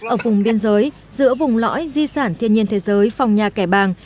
ở vùng biên giới giữa vùng lõi di sản thiên nhiên thế giới phòng nhà kẻ bàng